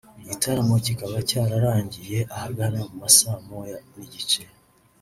Igitaramo kikaba cyararangiye ahagana mu ma saa moya n’igice